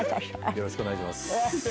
よろしくお願いします。